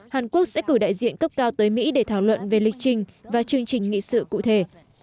hàn quốc sẽ cử đại diện cấp cao tới mỹ để thảo luận về lịch trình và chương trình nghị sự cụ thể